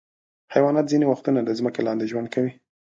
حیوانات ځینې وختونه د ځمکې لاندې ژوند کوي.